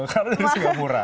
karena dari singapura